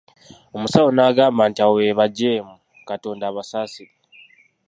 Omusawo n'agamba nti Abo be bajeemu, Katonda abasaasire.